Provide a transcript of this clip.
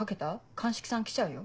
鑑識さん来ちゃうよ。